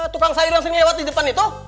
tukang sayur yang sering lewat di depan itu